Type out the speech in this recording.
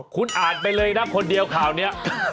คุณอ่านไปเลยนะคนเดียวข่าวนี้